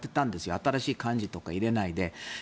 新しい漢字とか入れないで。